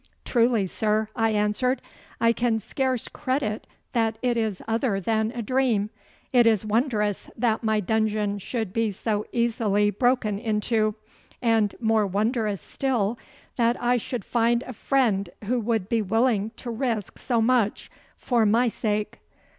'Truly, sir,' I answered, 'I can scarce credit that it is other than a dream. It is wondrous that my dungeon should be so easily broken into, and more wondrous still that I should find a friend who would be willing to risk so much for my sake.